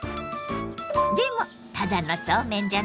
でもただのそうめんじゃないわ！